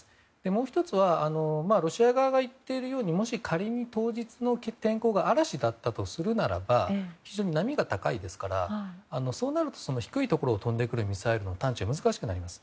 もう１つは、ロシア側が言っているように仮に当日の天候が嵐だったとするならば非常に波が高いですからそうなると低いところを飛んでくるミサイルの探知が難しくなります。